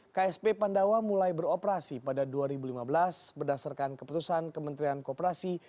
ksp pandawa mulai beroperasi pada dua ribu lima belas berdasarkan keputusan kementerian kooperasi